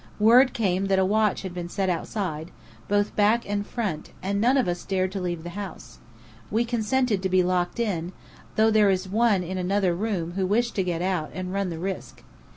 Word came that a watch had been set outside, both back and front, and none of us dared leave the house. We consented to be locked in, though there is one in another room who wished to get out and run the risk.